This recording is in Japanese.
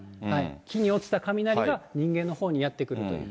木に落ちた雷が人間のほうにやって来るという。